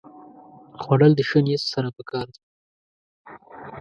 خوړل د ښه نیت سره پکار دي